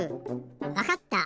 わかった！